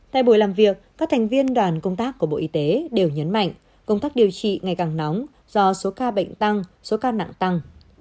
tại buổi làm việc các thành viên đoàn công tác của bộ y tế đều nhấn mạnh công tác điều trị ngày càng nóng do số ca bệnh tăng số ca nặng tăng